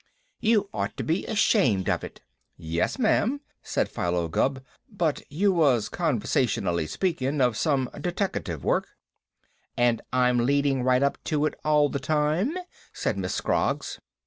"You ought to be ashamed of it." "Yes, ma'am," said Philo Gubb, "but you was conversationally speaking of some deteckative work " "And I'm leading right up to it all the time," said Miss Scroggs.